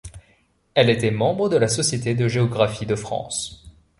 Elle était membre de la Société de géographie de France.